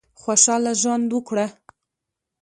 خوشاله ژوند وکړه.